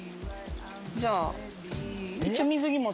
じゃあ。